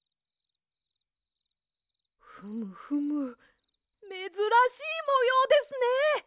フムフムめずらしいもようですね！